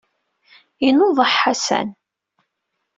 Inuḍeḥ Ḥasan.